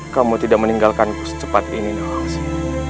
kamu tidak meninggalkanku secepat ini nawangsi